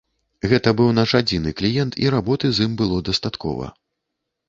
Гэта быў наш адзіны кліент і работы з ім было дастаткова.